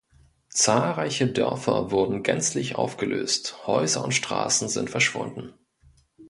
Zahlreiche Dörfer wurden gänzlich aufgelöst, Häuser und Straßen sind verschwunden.